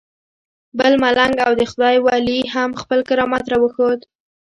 بل ملنګ او د خدای ولی هم خپل کرامت راوښود.